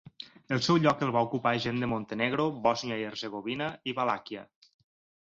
El seu lloc el va ocupar gent de Montenegro, Bòsnia i Hercegovina i Valàquia.